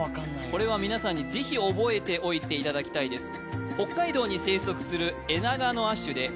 これは皆さんに是非覚えておいていただきたいです